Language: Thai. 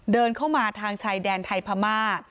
เดินเข้ามาทางชายแดนไทยพม่า